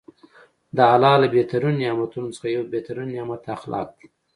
د الله ج له بهترینو نعمتونوڅخه یو بهترینه نعمت اخلاق دي .